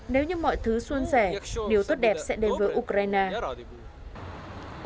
nếu như mọi thứ xuân rẻ điều tốt đẹp sẽ đến với ukraine